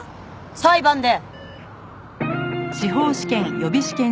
裁判で！